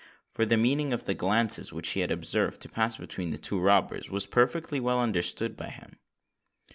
"—for the meaning of the glances which he had observed to pass between the two robbers, was perfectly well understood by him.